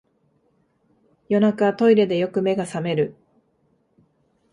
夜中、トイレでよく目が覚める